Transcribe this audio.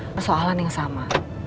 persoalan yang sama